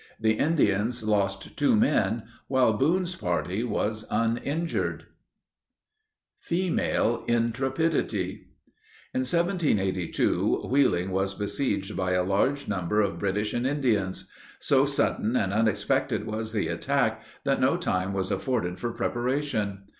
The Indians lost two men, while Boone's party was uninjured. [Illustration: THE PURSUIT] FEMALE INTREPIDITY. In 1782, Wheeling was besieged by a large number of British and Indians. So sudden and unexpected was the attack, that no time was afforded for preparation.